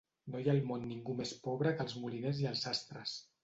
No hi ha al món ningú més pobre que els moliners i els sastres.